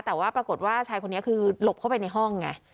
แต่ว่าปรากฏว่าชายคนนี้คือหลบเข้าไปในห้องไง